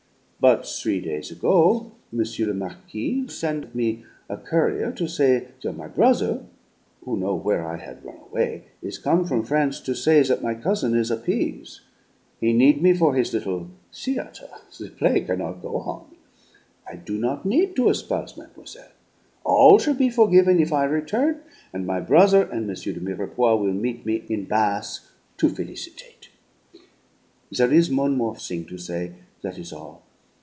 But three day' ago M. le Marquis send me a courier to say that my brother, who know where I had run away, is come from France to say that my cousin is appease'; he need me for his little theatre, the play cannot go on. I do not need to espouse mademoiselle. All shall be forgiven if I return, and my brother and M. de Mirepoix will meet me in Bath to felicitate. "There is one more thing to say, that is all.